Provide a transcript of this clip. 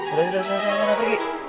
udah udah saya pergi